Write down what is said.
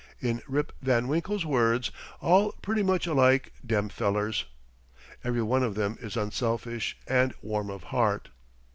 In Rip Van Winkle's words: "All pretty much alike, dem fellers." Every one of them is unselfish and warm of heart.